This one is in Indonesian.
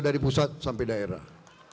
dari pusat sampai daerah